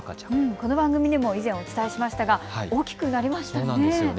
この番組でも以前お伝えしましたが大きくなりましたね。